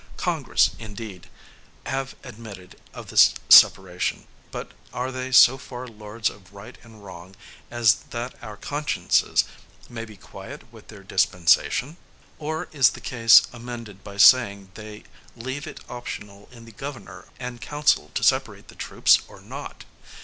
Congress, indeed, have admitted of this separation; but are they so far lords of right and wrong as that our consciences may be quiet with their dispensation? Or is the case amended by saying they leave it optional in the Governor and Council to separate the troops or not?